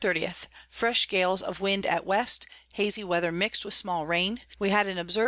_ Fresh Gales of Wind at West, hazy Weather mix'd with small Rain. We had an Observ.